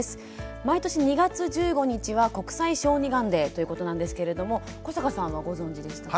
毎年２月１５日は国際小児がんデーということなんですけれども古坂さんはご存じでしたか？